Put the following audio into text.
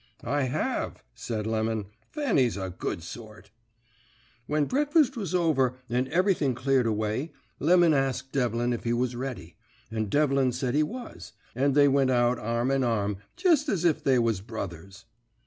"'I have,' said Lemon; 'Fanny's a good sort.' "When breakfast was over and everything cleared away Lemon asked Devlin if he was ready, and Devlin said he was, and they went out arm in arm jest as if they was brothers.